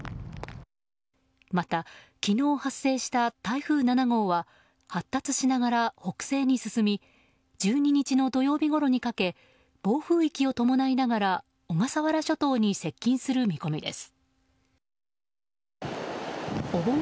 また、昨日発生した台風７号は発達しながら北西に進み１２日の土曜日ごろにかけ暴風域を伴いながら小笠原諸島に接近する見込みです。